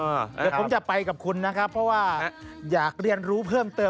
เดี๋ยวผมจะไปกับคุณนะครับเพราะว่าอยากเรียนรู้เพิ่มเติม